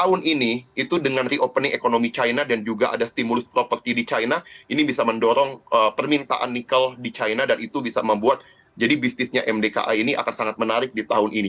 tahun ini itu dengan reopening ekonomi china dan juga ada stimulus properti di china ini bisa mendorong permintaan nikel di china dan itu bisa membuat jadi bisnisnya mdka ini akan sangat menarik di tahun ini